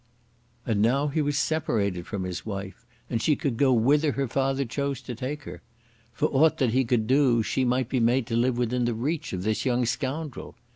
And now he was separated from his wife, and she could go whither her father chose to take her. For aught that he could do she might be made to live within the reach of this young scoundrel.